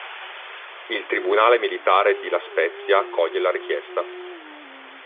Il tribunale militare di La Spezia accoglie la richiesta.